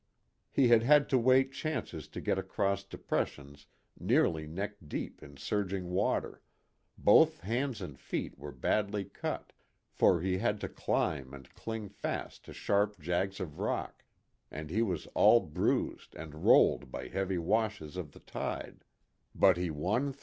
He had had to wait chances to get across de pressions nearly neck deep in surging water, both hands and feet were badly cut, for he had to climb and cling fast to sharp jags of rock, and he was all bruised and rolled by heavy washes of the tide but he won through.